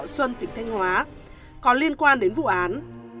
xuân tỉnh thanh hóa có liên quan đến vụ án